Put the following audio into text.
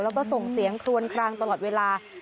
แล้วก็ส่งเสียงคลวนคลางตลอดเวลา